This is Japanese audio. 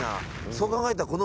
そう考えたら。